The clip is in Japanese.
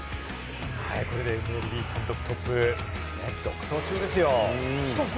これでリーグ単独トップ、独走中ですよ。